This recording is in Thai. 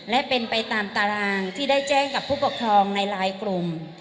และเป็นไปตามตารางที่ได้แจ้งกับผู้ปกครองในหลายกลุ่ม